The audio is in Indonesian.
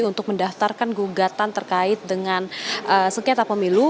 untuk mendaftarkan gugatan terkait dengan sengketa pemilu